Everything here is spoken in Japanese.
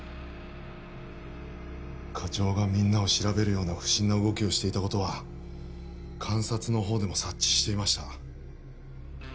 課長がみんなを調べるような不審な動きをしていたことは監察の方でも察知していました